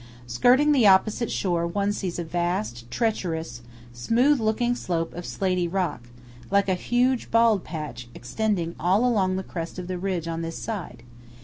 Skirting the opposite shore, one sees a vast, treacherous, smooth looking slope of slatey rock, like a huge bald patch, extending all along the crest of the ridge on this side.